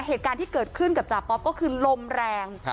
เหตุการณ์ที่เกิดขึ้นกับจ่าป๊อปก็คือลมแรง